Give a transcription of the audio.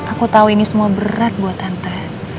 aku tahu ini semua berat buat tante